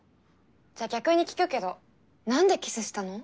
じゃあ逆に聞くけどなんでキスしたの？